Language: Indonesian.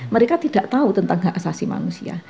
mereka tidak tahu tentang keasasi manusia